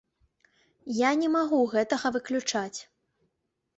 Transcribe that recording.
Я не магу гэтага выключаць.